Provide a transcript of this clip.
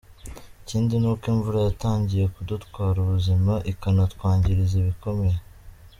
Ikindi ni uko imvura yatangiye kudutwara ubuzima, ikanatwangiriza bikomeye.